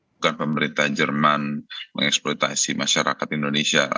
bukan pemerintah jerman mengeksploitasi masyarakat indonesia